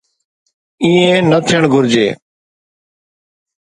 ائين نه ٿيڻ گهرجي.